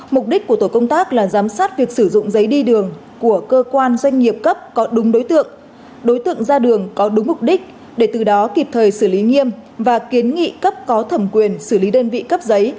mục đích của tổ công tác là giám sát việc sử dụng giấy đi đường của cơ quan doanh nghiệp cấp có đúng đối tượng đối tượng ra đường có đúng mục đích để từ đó kịp thời xử lý nghiêm và kiến nghị cấp có thẩm quyền xử lý đơn vị cấp giấy